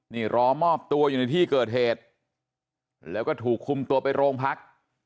นี่รอมอบตัวอยู่ในที่เกิดเหตุแล้วก็ถูกคุมตัวไปโรงพัก